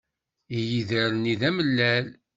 Igider-nni d amellal.